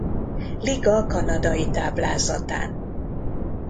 Liga kanadai táblázatán.